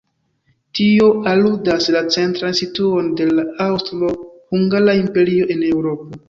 Tio aludas la centran situon de la Aŭstro-Hungara imperio en Eŭropo.